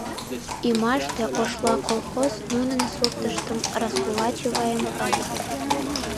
Ӱмаште «Ошла» колхоз нунын суртыштым раскулачиваем ыле.